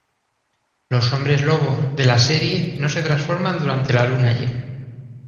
Los hombres lobo de la serie no se transforman durante la luna llena.